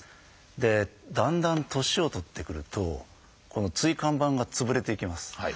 でだんだん年を取ってくるとこの椎間板が潰れていきます。